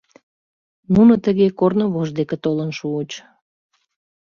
Нуно тыге корнывож деке толын шуыч.